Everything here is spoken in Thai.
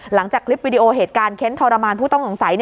หลังจากคลิปวิดีโอเหตุการณ์เค้นทรมานผู้ต้องสงสัย